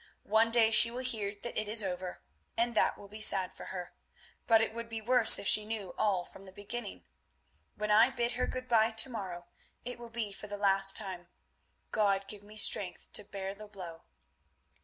One day she will hear that it is over, and that will be sad for her, but it would be worse if she knew all from the beginning. When I bid her good bye to morrow, it will be for the last time—God give me strength to bear the blow.